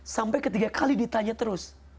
sampai ketiga kali ditanya terus